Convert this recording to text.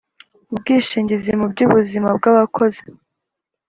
ubwishingizi mu by’ubuzima bw’abakozi: